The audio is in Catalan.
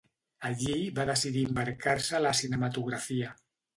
Allí va decidir embarcar-se a la cinematografia.